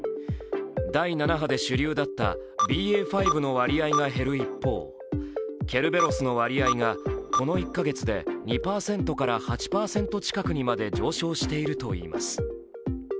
第７波で主流だったＢＡ．５の割合が減る一方ケルベロスの割合がこの１か月で２％から８％近くにまで上昇しているといいます。